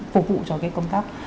phục vụ cho cái công tác